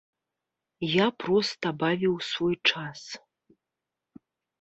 Я проста бавіў свой час.